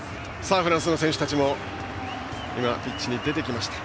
フランスの選手たちもピッチに出てきました。